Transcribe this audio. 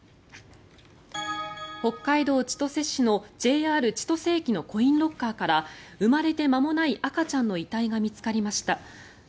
北海道千歳市のＪＲ千歳駅のコインロッカーから生まれて間もない赤ちゃんの遺体が見つかりました。